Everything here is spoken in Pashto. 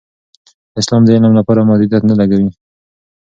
اسلام د علم لپاره محدودیت نه لګوي.